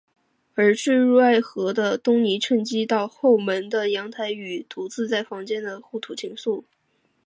而坠入爱河的东尼趁机到后门的阳台上与独自在房间的玛利亚互吐情愫。